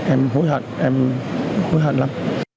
em hối hận em hối hận lắm